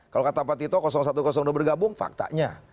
kalau kata pak tito satu dua bergabung faktanya